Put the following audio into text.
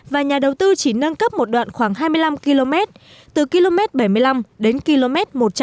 và nhà đầu tư chỉ nâng cấp một đoạn khoảng hai mươi năm km từ km bảy mươi năm đến km một trăm linh